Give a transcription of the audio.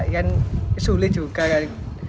kan sulit juga kan